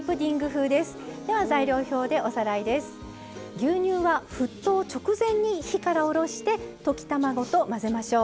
牛乳は沸騰直前に火から下ろして溶き卵と混ぜましょう。